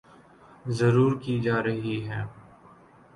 ضرور کی جارہی ہیں